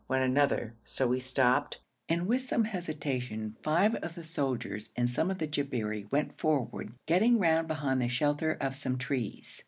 went another; so we stopped, and with some hesitation five of the soldiers and some of the Jabberi went forward, getting round behind the shelter of some trees.